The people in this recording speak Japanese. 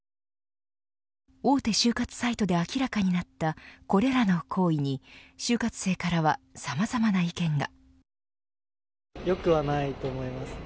大手就活サイトで明らかになったこれらの行為に就活生からはさまざまな意見が。